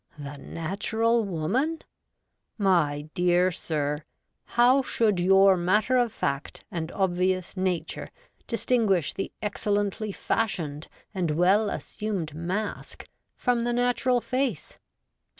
The natural woman ? My dear sir, how should your matter of fact and obvious nature distinguish the excellently fashioned and well assumed mask from the natural face